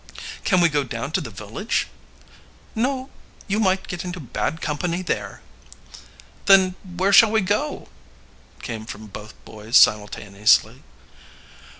"Can we go down to the village?" "No, you might get into bad company there." "Then where shall we go?" came from both boys simultaneously.